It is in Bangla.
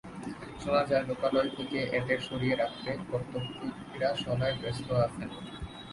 শোনা যায় লোকালয় থেকে এদের সরিয়ে রাখতে কর্তাব্যক্তিরা শলায় ব্যস্ত আছেন।